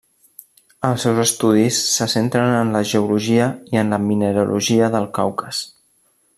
Els seus estudis se centren en la geologia i en la mineralogia del Caucas.